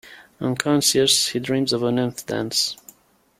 Unconscious, he dreams of a nymph dance.